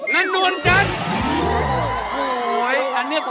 นางนวลจันทร์